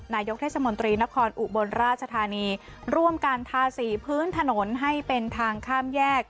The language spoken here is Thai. นายกเทศมนตรีนครอุบลราชธานีร่วมกันทาสีพื้นถนนให้เป็นทางข้ามแยก